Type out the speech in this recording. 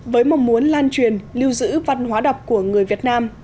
với mong muốn lan truyền lưu giữ văn hóa đọc của người việt nam